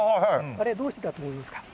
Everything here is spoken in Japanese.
あれどうしてだと思いますか？